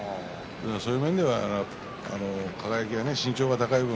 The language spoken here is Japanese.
そういう面では輝が身長が高い分